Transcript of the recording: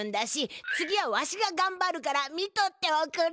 次はわしががんばるから見とっておくれ。